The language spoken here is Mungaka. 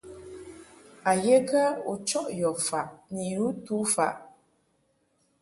A ye kə u chɔʼ yɔ faʼ ni yu tu faʼ ?